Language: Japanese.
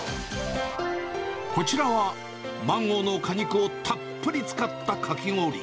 こちらは、マンゴーの果肉をたっぷり使ったかき氷。